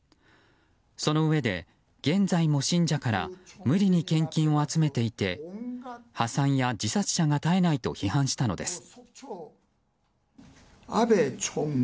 そのうえで現在も信者から無理に献金を集めていて破産や自殺者が絶えないと批判したのです。